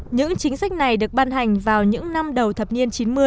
những chính sách này được ban hành vào những năm đầu thập niên chín mươi